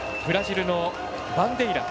ブラジルのバンデイラ。